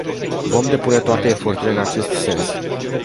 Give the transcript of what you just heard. Vom depune toate eforturile în acest sens.